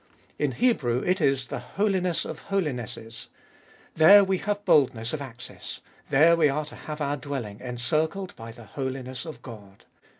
In Hebrew it is the Holiness of Holinesses. There we have boldness of access, there we are to have our dwelling encircled by the holiness of God.